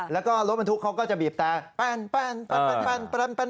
แล้วก็รถบรรทุกเขาก็จะบีบแต่แป้น